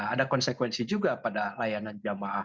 ada konsekuensi juga pada layanan jamaah